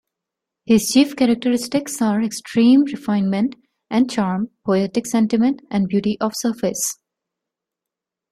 His chief characteristics are extreme refinement and charm, poetic sentiment, and beauty of surface.